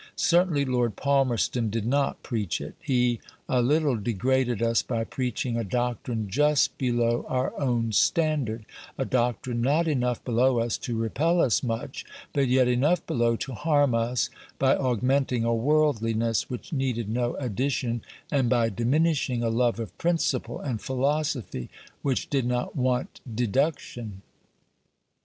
Certainly Lord Palmerston did not preach it. He a little degraded us by preaching a doctrine just below our own standard a doctrine not enough below us to repel us much, but yet enough below to harm us by augmenting a worldliness which needed no addition, and by diminishing a love of principle and philosophy which did not want deduction.